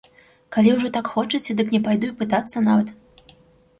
Калі ўжо так хочаце, дык не пайду і пытацца нават.